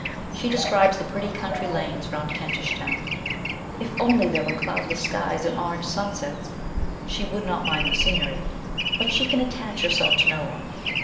She describes the pretty country lanes round Kentish Town. If only there were cloudless skies and orange sunsets, she would not mind the scenery ; but she can attach herself to no one.